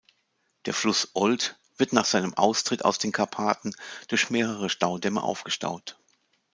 Der Fluss Olt wird nach seinem Austritt aus den Karpaten durch mehrere Staudämme aufgestaut.